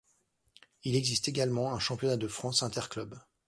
Il existe également un championnat de France Interclubs.